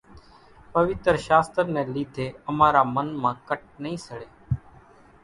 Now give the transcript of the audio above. پويتر شاستر ني لِيڌي امارا من مان ڪٽَ نئِي سڙي